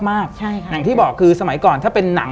อย่างที่บอกคือสมัยก่อนถ้าเป็นหนัง